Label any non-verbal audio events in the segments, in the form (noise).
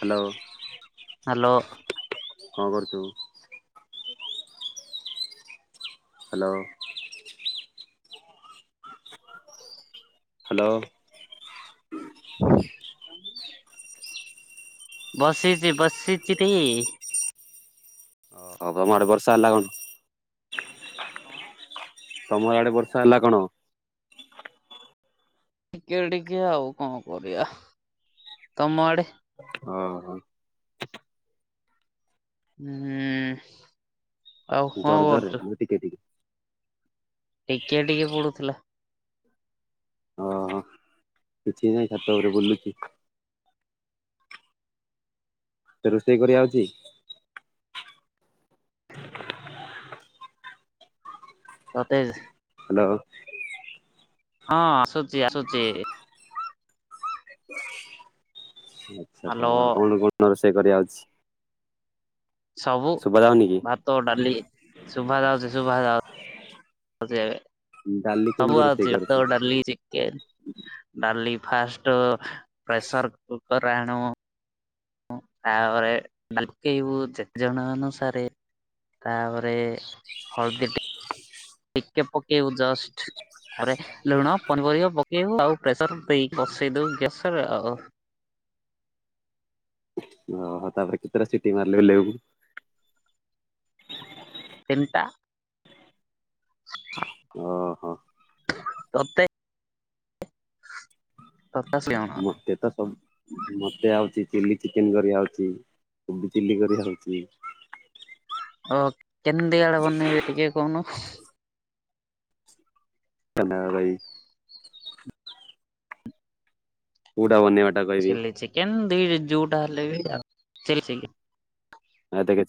Hello. Hello. କଣ କରୁଛୁ? Hello. Hello. ବସିଛି ବସିଛି ରେ। ହଁ ତମ ଆଡେ ବର୍ଷା ହେଲା କଣ? ତମ ଆଡେ ବର୍ଷା ହେଲା କଣ? ଟିକେ ଟିକେ ଆଉ କଣ କରିବା ତମ ଆଡେ? ହଁ ହଁ। ହୁଁ। ଆଉ କଣ ଜୋର୍ ଯୋର୍ କରୁଛୁ? (unintelligible) ଟିକେ ଟିକେ? ଟିକେ ଟିକେ ପଡୁଥିଲା। ଅ ହଁ କିଛି ନାହିଁ ଛାତ ଉପରେ ବୁଲୁଚି। ତେ ରୋଷେଇ କରି ଆଉଚି? ମତେ ଏସେ ହ୍ୟାଲୋ। ହଁ ଆସୁଚି ଆସୁଚି। ଆଚ୍ଛା (unintelligible) ହ୍ୟାଲୋ। କଣ କଣ ରୋଷେଇ କରି ଆଉଚି? ସବୁ ଯାଉନି କି ଭାତ ଡାଲି ଶୁଭା ଯାଉଚି ଶୁଭା ଯାଉ ଯାଉଚି ଡାଲି ଏକା ସବୁ କେମିତି ରୋଷେଇ ଆଉଚି ଭାତ କରୁଛୁ ଡାଲି ଚି କେନ ଡାଲି ଫାଷ୍ଟ ପ୍ରେସର୍ କୁକର୍ ଆଣୁ। ତା ପରେ ଡାଲି ପକେଇବୁ ଯେତେ ଜଣ ଅନୁସାରେ। ତାପରେ ହଳଦୀ ଟି ଟିକେ ପକେଇବୁ ଜଷ୍ଟ ଆରେ ଲୁଣ ପନିପରିବା ପକେଇବୁ ଆଉ। ପ୍ରେସର୍ ଦେଇ ବସେଇଦଉ ଗ୍ୟାସ୍ ରେ ଆଉ। ଓହୋ ତାପରେ କେତେଟା ସିଟି ମାରିଲେ ଓଲ୍ହେଇବୁ? ତିନିଟା। (inaudible) ହଁ। ତତେ ତତା ସିଅଣ ମତେ ତ ସବୁ ମୋତେ ଆଉଚି ଚିଲି ଚିକେନ କରି ଆଉଚି କୋବି ଚିଲି କରି ଆଉଚି। ଓ (unintelligible) ଟିକେ କହୁନୁ? (unintelligible) କୋଉଟା ବନେଇବ ଚିଲି ଚିକେନ ଦି ଯୋଉଟା ହେଲେ ବି ଆଉ ଚିଲି ଚିକ୍ (unintelligible)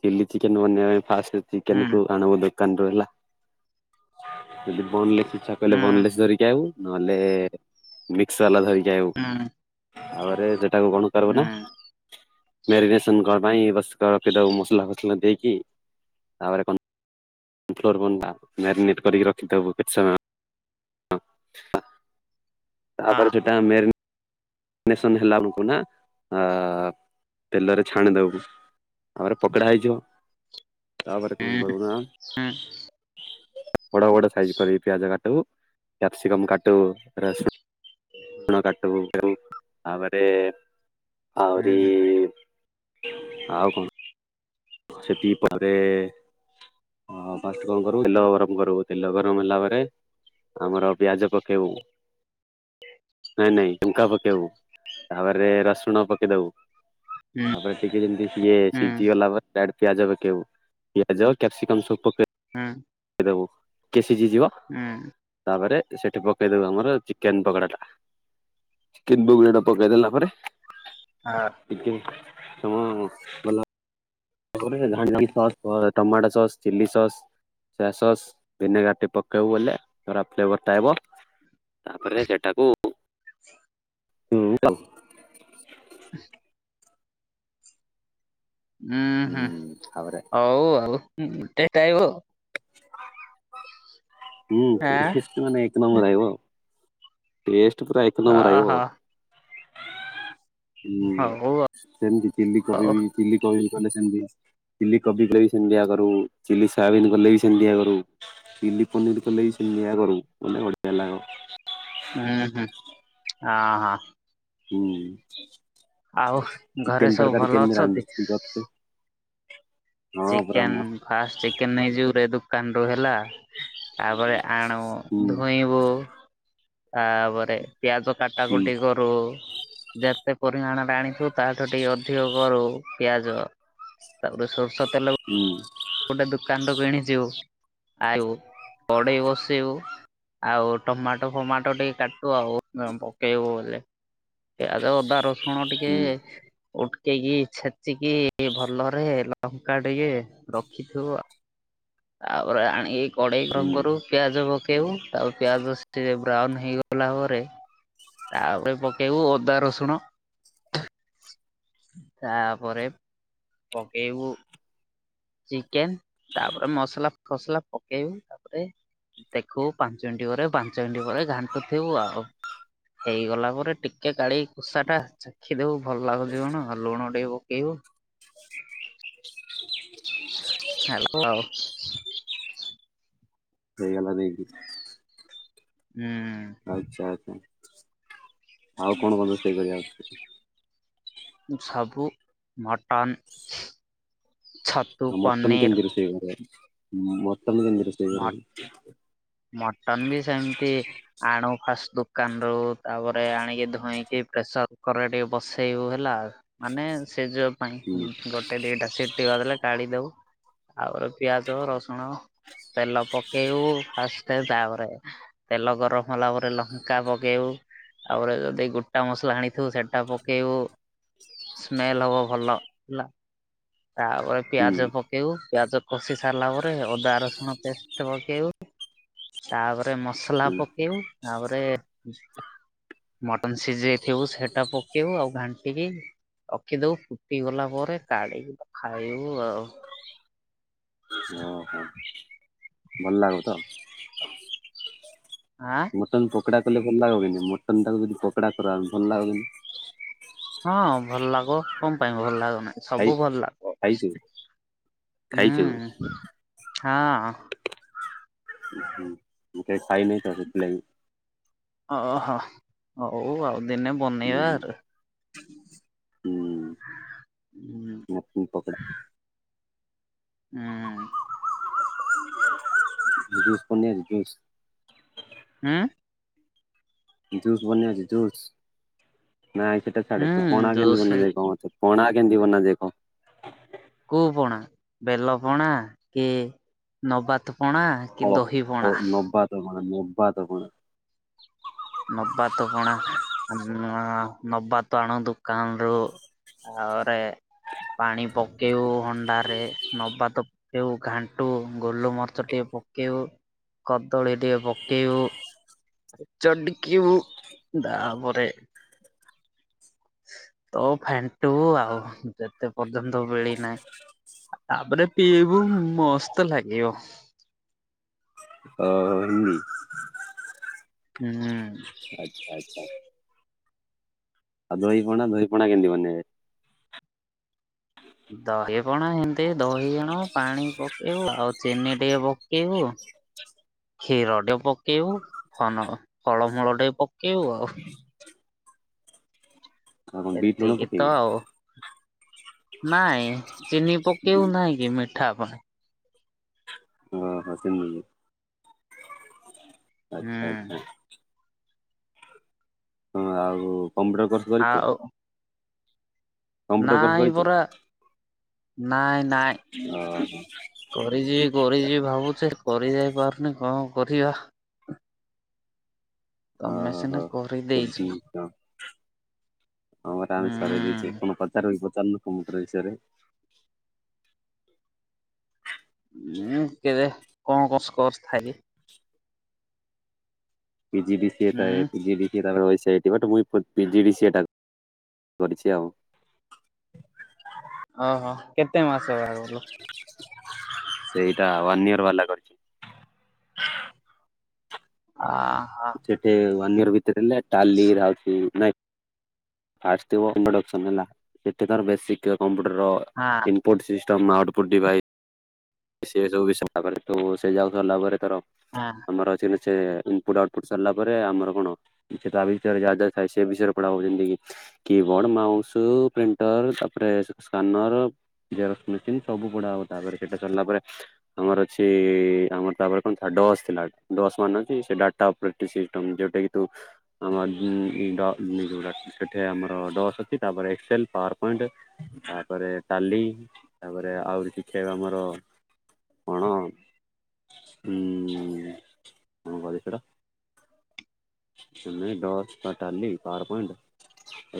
ଚିଲି ଚିକେନ ବନେଇବା ପାଇଁ ଫାଷ୍ଟ ଚିକେନ ହୁଁ କୁ ଆଣବୋଲି କାନ ରୁ ହେଲା ଜଦି ବୋର୍ଣ୍ଣଲେଶ୍ ଇଚ୍ଛା କାଲେ ହୁଁ ବୋର୍ଣ୍ଣଲେଶ୍ ଧରିକି କି ଆଇବୁ ନହେଲେ ମିକ୍ସ ବାଲା ଧରିକି ଆଇବୁ ହୁଁ ତାପରେ ସେଟାକୁ କଣ କରିବୁ ହୁଁ ନା ମ୍ୟାରିନେସନ୍ (unintelligible) ମସଲା ଫସଲା ଦେଇକି ତାପରେ (unintelligible) ମ୍ୟାରିନେଟ କରିକି ରଖି ଦବୁ କିଛି ସାମ ହଁ। ତାପରେ ସେଟା ମ୍ୟାରୀ ରିନେସନ୍ ହେଲା ବେଳକୁ ନା ଆ ତେଲରେ ଛାଣି ଦବୁ। ତାପରେ ପକୋଡ଼ା ହେଇଯିବ ତାପରେ ହୁଁ କଣ କରିବୁ ନା ହୁଁ ବଡ ବଡ ସାଇଜ୍ କରିକି ପିଆଜ କାଟିବୁ। କ୍ୟାପ୍ସିିକମ୍ କାଟିବୁ ରସୁଣ କାଟିବୁ। ତାପରେ ହୁଁ ଆହୁରି ଆଉ କଣ ଏତିକି ପରେ ଅଁ ଫାଷ୍ଟେ କଣ କରିବୁ ତେଲ ଗରମ କରିବୁ ତେଲ ଗରମ ହେଲା ପରେ ଆମର ପିଆଜ ପକେଇବୁ। ନାଇଁ ନାଇଁ ଶୁଙ୍କା ପକେଇବୁ ତାପରେ ରସୁଣ ପକେଇଦବୁ ହୁଁ ତାପରେ ଟିକେ ଯେମିତି ସିଏ ହୁଁ ସିଝି ଗଲା ପରେ ଇଆଡ଼େ ପିଆଜ ପକେଇବୁ ପିଆଜ କ୍ୟାପସିକମ୍ ସବୁ ପକେ ହୁଁ। ପକେଇ ଦବୁ କେ ସିଜି ଯିବ ହୁଁ। ତାପରେ ସେଠି ପକେଇଦବୁ ଆମର ଚିକେନ ପକୋଡା ଟା। କେନ୍ଦୁ ଇଏ ଟା ପକେଇ ଦେଲା ପରେ ହଁ ଟିକେ ସମୟ ଗଲା ପରେ ଧାଣ୍ଟି sauce tomato sauce, chilli sauce soya sauce ଭିନେଗାରଟି ପକେଇବୁ ବୋଲେ (unintelligible) ଫ୍ଲେବରଟା ଆଇବ। ତାପରେ ସେଟାକୁ (unintelligible) ହ ଉଁ ହୁଁ ହଉ ଆଉ ଟେଷ୍ଟ ଆଇବ। (inaudible) ହୁଁ ଆଁ। ଟେଷ୍ଟ ମାନେ ଏକ ନମ୍ବର ଆଈବ ପେଷ୍ଟ ପୁରା ଏକ ନମ୍ବର ଓହୋ ଆଈବ। ଉଁ ହଉ ସେମିତି ଚିଲ୍ଲି କୋବି ଆଉ ବି ଚିଲ୍ଲି କୋବି ବି କଲେ ସେମିତି ଚିଲ୍ଲି କୋବି କଲେ ବି ସେମିତିଆ କରୁ ଚିଲ୍ଲି ସୋୟାବିନ୍ କଲେ ବି ସେମିତିଆ କରୁ ଚିଲ୍ଲି ପନିର କଲେବି ସେମିତିଆ କରୁ (unintelligible) ଉଁ ହୁଁ ଅଁ ହଁ। ହୁଁ ଆଉ ଘରେ ଚିକେନ ସବୁ ତରକାରୀ ଭଲ କେମିତି ଅଛନ୍ତି? ରାନ୍ଧୁଚୁ (unintelligible) ଚିକେନ ଫାଷ୍ଟ ଚିକେନ ନେଇଯିବୁରେ ଦୋକାନ ରୁ ହେଲା। ତାପରେ ଆଣୁ ହୁଁ ଧୁଇଁବୁ ତାପରେ ପିଆଜ ହୁଁ କାଟାକୁଟି କର ଯେତେ ପରିମାଣ ରେ ଆଣିଛୁ ତାଠୁ ଟିକେ ଅଧିକ କରୁ ପିଆଜ। ତାପରେ ସୋରିଷ ତେଲକୁ ହୁଁ। ଗୋଟେ ଦୋକାନ ରୁ କିଣିଯିବୁ ଆଉ କଡେଇ ବସେଇବୁ ଆଉ ଟମାଟୋ ଫମାଟୋ ଟିକେ କାଟୁ ଆଉ ପକେଇବୁ ବେଲେ। ପିଆଜ ଅଦା ରସୁଣ ଟିକେ ହୁଁ ଉଟକେଇକି ଛେଚିକି ଟିକେ ଭଲରେ ଲଙ୍କା ଟିକେ ରଖିଥିବୁ ତାପରେ ଆଣିକି କଡ଼େଇ ହୁଁ ଗରମ କରୁ ପିଆଜ ପକେଇବୁ ତାଉ ପିଆଜ ଟିକେ ବ୍ରାଉନ ହେଇଗଲା ପରେ ତାପରେ ପକେଇବୁ ଅଦା ରସୁଣ। ତାପରେ ପକେଇବୁ ଚିକେନ ତାପରେ ମସଲା ଫସଲା ପକେଇବୁ ତାପରେ ଦେଖୁବୁ ପାଞ୍ଚ ମିଣ୍ଟି ପରେ ପାଞ୍ଚ ମିଣ୍ଟି ପରେ ଘାଣ୍ଟୁ ଥିବୁ ଆଉ। ହେଇଗଲା ପରେ ଟିକେ କାଢିକି କୁଷା ଟା ଚାଖି ଦବୁ ଭଲ ଲାଗୁଛି କଣ ଲୁଣ ଟିକେ ପକେଇବୁ। ହ ହାଲୋ। ନେଇଗଲା ଦେଇକି ହୁଁ। ଆଚ୍ଛା ଆଚ୍ଛା ଆଉ କଣ କଣ ରୋଷେଇ କରି ଆସେ? ସବୁ ମଟନ୍ ଛତ୍ ମଟନ୍ କେମିତି ରୋଷେଇ କରେ ମଟନ୍ କେମିତି ରୋଷେ (unintelligible) ମଟନ୍ ବି ସେମିତି ଆଣୁ ଫାଷ୍ଟ ଦୋକାନ ରୁ ତାପରେ ଆଣିକି ଧୋଇଁକି ପ୍ରେସର କୁକରରେ ଟିକେ ବସେଇବୁ ହେଲା। ମାନେ ସେ ଯୋଉ ଉଁ ହୁଁ ଗୋଟେ ଦିଟା ସିଟିଦେଲେ କାଢି ଦଉ ତାପରେ ପିଆଜ ରସୁଣ ତେଲ ପକେଇବୁ ଫାଷ୍ଟ ତାପରେ ତେଲ ଗରମ ହେଲା ପରେ ଲଙ୍କା ପକେଇବୁ ତାପରେ ଯଦି ଗୋଟା ମସଲା ଆଣିଥିବୁ ସେଟା ପକେଇବୁ। ସ୍ମେଲ ହବ ଭଲ ହେଲା ତାପରେ। ହୁଁ ପିଆଜ ପକେଇବୁ ପିଆଜ କଷି ସାରିଲା ପରେ ଅଦା ରସୁଣ ପେଷ୍ଟ ପକେଇବୁ। ତାପରେ ମସଲା ହୁଁ ପକେଇବୁ ତାପରେ। ମଟନ ସିଝେଇଥିବୁ ସେଟା ପକେଇବୁ ଆଉ ଘାଣ୍ଟିକି। ରଖିଦବୁ ଫୁଟିଗଲା ପରେ କାଢିକି ଖାଇବୁ ଆଉ। ଓହୋ ଭଲ ଲାଗ୍ ବ ତ। ଆଁ। ମଟନ୍ ପକୋଡ଼ା କଲେ ଭଲ ଲାଗିବ କିନାଇ ମଟନ୍ ଟାକୁ ଯଦି ପକଡ଼ା କର୍‌ବା ଭଲ ଲାଗିବ କି? ହଁ ଭଲଲାଗ୍ ବ କଣ ପାଇଁ ଭଲ ଲାଗବନାଇଁ। ଖାଇ ସବୁ ଭଲ ଲାଗିବ ଖାଇଛୁ ଖାଇଛୁ ହୁଁ ହଁ। ମୁଁ କେବେ ଖାଇନି ତ ସେଥିଲାଗି। ଓହୋ ହଉ ଆଉ ଦିନେ। ବନେଇବା ହୁଁ ଆଉ। ହୁଁ। (unintelligible) ମଟନ୍ ପକଡା। ହୁଁ ଜୁସ ପନିର ଜୁସ। ଉଁ ଜୁସ୍ ବନେଇ ଅଛି ଜୁସ୍ ନାଇଁ ସେଟା ଛାଡେ ହୁଁ ପଣା କେମିତି ଜୋସ ବନା ଯାଏ କହ ମତେ। ପଣା କେମିତି ବନା ଯାଏ କହ? କୋଉ ପଣା ବେଲ ପଣା କି ନବାତ ପଣା? କି ଫଳ ଦହି ଅ ପଣା ନବାତ ପଣା ନବାତ ପଣା। ନବାତ ପଣା ନବାତ ଆଣ ଦୋକାନରୁ। ତାପରେ ପାଣି ପକେଇବୁ ହଣ୍ଡାରେ ନବାତ। ଯଉ ଘାଣ୍ଟିବୁ ଗୋଲ ମରିଚ ଟିକେ ପକେଇବୁ କଦଳୀ ଟିକେ ପକେଇବୁ। ଚଟ୍ କିବୁ ତାପରେ। ତ ଫେଣ୍ଟ୍ ବୁ ଆଉ ଯେତେ ପର୍ଯ୍ୟନ୍ତ ମିଳି ନାହିଁ। (inaudible) ତାପରେ ପିବୁ ମସ୍ତ ଲାଗିବ। ଅ ଏନ୍ତି। ହୁଁ ଆଚ୍ଛା ଆ ଦହିପଣା ଦହିପଣା କେମିତି ବନା ହୁଏ? ଦହି ପଣା ଏମିତି ଦହି ଆଣିବୁ ପାଣି ପକେଇବୁ ଆଉ ଚିନି ଟିକେ ପକେଇବୁ। (inaudible) କ୍ଷୀର ଟେ ପକେଇବୁ ଫନ ଫଳମୂଳ ଟିକେ ପକେଇବୁ ଆଉ। ଆଉ କଣ ବିଟ୍ ଲୁଣ ଏତିକି ତ ପକେଇକି ଆଉ। ନାଇଁ ଚିନି ପକେଇବୁ ନାହିଁ କି ମିଠା ପାଇଁ। ଓହୋ ସେମିତି କି? ହୁଁ ଆଚ୍ଛା ଆଚ୍ଛା ହଁ ଆଉ କମ୍ପ୍ୟୁଟର କର। ଆଉ। କମ୍ପ୍ୟୁଟର କୋର୍ସ ନାଇଁ କରିଛୁ ପରା ନାଇନ୍। ଓ ହୋ। କରି ଯିବି କରି ଯିବି ଭାବୁଛେ କରି ଯାଇ ପାରୁନି କଣ କରିବା। ତମେ ସିନା ଟ କରିଦେଇଛ ହୁଁ ସରଛ। (inaudible) ସାର୍ ବି ପଚାନୁ କମ୍ପ୍ୟୁଟର ବିଷୟରେ। ଉଁ କେବେ କଣ କଣ ସ୍କୋର୍ ଥାଇଲି? ପି ଜି ବି ସିଏତଏ ହୁଁ ପି ଜି ବି। (unintelligible) ମୁଇଁ ପିଜି ଡିସିଏ ଟା କରିଚି ଆଉ। ଓହୋ କେତେ ମାସ ବାହାଘର ସେଇଟା ୱାନ୍ ଇୟର ବାଲା କରିଛନ୍ତି। ଆ ହା ସେଠି ୱାନ୍ ଇୟର ଭିତରେ ହେଲେ ଟାଲି (unintelligible) ଫାଷ୍ଟ ଥିବ ଇଣ୍ଟରଡକ୍ସନ ହେଲା ଏତେ ତାର ବେସିକରେ କମ୍ପ୍ୟୁଟରର ହଁ ଇନ୍ପୁଟ ସିଷ୍ଟମ୍ ଆଉଟପୁଟ୍ ଡିଭାଇଡ଼। ସେ ସବୁ (unintelligible) ସେ ଯାଉ ସାରିଲା ପରେ ତାର ହଁ। ଆମର ଆକ୍ଟୁଆଲି ଇନ୍ପୁଟ ଆଉଟପୁଟ୍ ସରିଲା ପରେ ଆମର କଣ ଏଠି ତା ଭିତରେ ଯାହା-ଯାହା ଥାଏ ସେ ବିଷୟରେ (unintelligible) କି? କି ବୋର୍ଡ, ମାଉସୁ, ପ୍ରିଣ୍ଟର୍ ତାପରେ ସ୍କାନର ଜେରସ ମେସିନ୍ ସବୁ ପଢା ହବ ତାପରେ ସେଟା ସରିଲା ପରେ ଆମର ଅଛି ଆମର ତାପରେ କଣ ଥିଲା ଡସ୍ ଥିଲା ଡସ୍ ମାନେ ଅଛି ସେ (unintelligible) ଯେଉଟା କି ତୁ ଆମ ଡ ଯୋଉଟା ସେଠି ଆମର ଡସ୍ ଅଛି ତାପରେ ଏକ୍ସେଲ ପାୱାର। ପଏଣ୍ଟ ତାପରେ ଟାଲି ତାପରେ ଆହୁରି (unintelligible) ଆମର କଣ ହୁଁ କଣ (unintelligible) (inaudible) ଡଚ୍ ବା ଟାଲି ପାୱାର ପଏଣ୍ଟ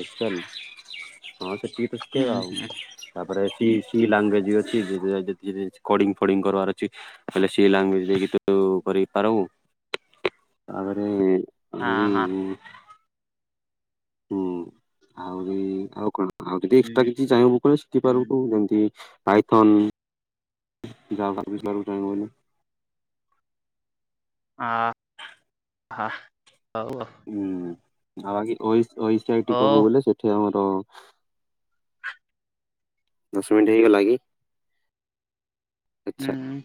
ଏକ୍ସେଲ ହଁ ସେତିକି ତ ସିକେଇବେ ଉଁ ଆଉ। ହୁଁ ତାପରେ ସି-ସି ଲାଙ୍ଗୁଏଜ୍ ବି ଅଛି କଡ଼ିଙ୍ଗ ଫଡ଼ିଙ୍ଗ କରିବାର ଅଛି। ହେଲେ ସି ଲାଙ୍ଗୁଏଜ ଦେଇକି ତ କରିପାରଉ ତାପରେ ହାଁ ଆହୁରି ହାଁ। ହୁଁ ଆହୁରି ଆଉ କଣ ଆଉ ଯଦି ଏଷ ଉଁ କିଛି ଚାହିଁବୁ କଲେ ଶିଖିପାରୁୁ ହୁଁ ଯେମିତି ପାଇଥନ୍ (unintelligible) (unintelligible) ହଁ ହଉ। ହୁଁ ଆଉ ବାକି (unintelligible) କରିବୁ ବୋଲେ ଏଠି ଆମର ଦଶ ମିନିଟ୍ ହେଇଗଲା କି? ଆଚ୍ଛା ହୁଁ।